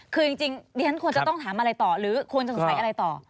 คือจริงดิฉันควรจะต้องถามอะไรต่อหรือควรจะสงสัยอะไรต่อ